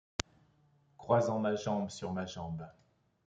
Croisant ma jambe sur ma jambe